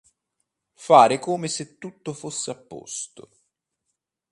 Fare come se tutto fosse a posto.